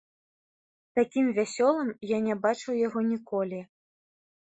Такім вясёлым я не бачыў яго ніколі.